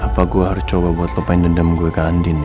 apa gue harus coba buat apa yang dendam gue ke andin